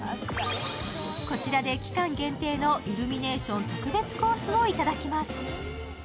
こちらで期間限定のイルミネーション特別コースをいただきます。